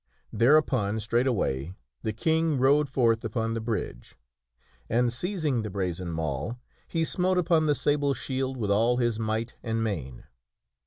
Thereupon, straightway, the King rode forth upon the bridge and, seiz ing the brazen mall, he smote upon the sable shield with all his might an main.